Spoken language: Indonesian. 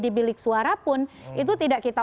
di bilik suara pun itu tidak kita